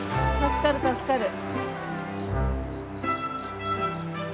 助かる助かる。